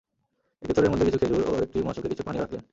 একটি থলের মধ্যে কিছু খেজুর ও একটি মশকে কিছু পানিও রাখলেন।